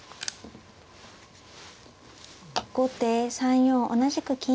後手３四同じく金。